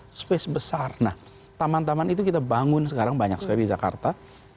ada space besar nah taman taman itu kita bangun sekarang banyak sekali di jakarta